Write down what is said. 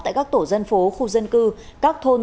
tại các tổ dân phố khu dân cư các thôn